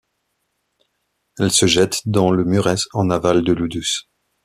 Elle se jette dans le Mureș en aval de Luduș.